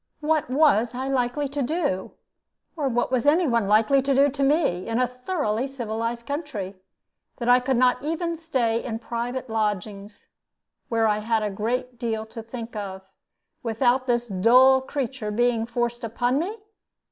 What was I likely to do, or what was any one likely to do to me, in a thoroughly civilized country, that I could not even stay in private lodgings, where I had a great deal to think of, without this dull creature being forced upon me?